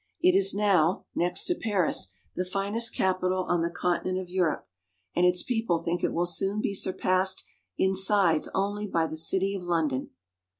It is now, next to Paris, the finest capital on the continent of Europe, and its people think it will soon be surpassed in size only by the city of London.